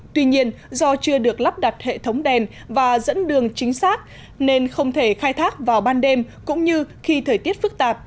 tuy nhiên do chưa được lắp đặt hệ thống đèn và dẫn đường chính xác nên không thể khai thác vào ban đêm cũng như khi thời tiết phức tạp